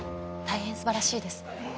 大変素晴らしいです」。